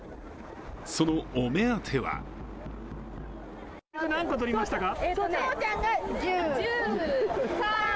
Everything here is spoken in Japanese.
そのお目当ては何個取りましたか？